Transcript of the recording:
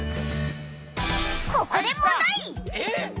ここで問題！